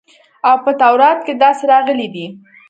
او په تورات کښې داسې راغلي دي.